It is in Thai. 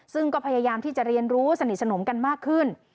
ซึ่งก็พยายามที่จะเรียนรู้สนิทสนมกันมากขึ้น